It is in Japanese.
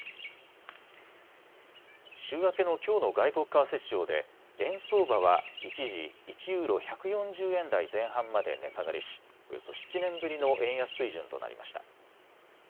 週明けのきょうの外国為替市場で円相場は一時、１ユーロ１４０円台前半まで値下がりしおよそ７年ぶりの円安水準となりました。